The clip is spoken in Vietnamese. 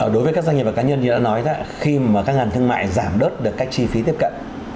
đối với các doanh nghiệp và cá nhân như đã nói khi mà các ngân hàng thương mại giảm đớt được các chi phí tiếp cận